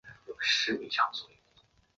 苏姆阿布姆巴比伦第一王朝首任国王。